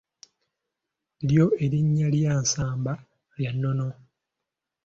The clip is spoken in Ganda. Lyo erinnya lya Nsamba lya nnono.